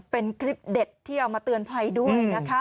เป็นคลิปเด็ดที่เอามาเตือนภัยด้วยนะคะ